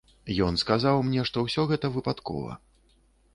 Ён сказаў мне, што ўсё гэта выпадкова.